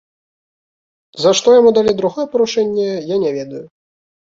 За што яму далі другое парушэнне, я не ведаю.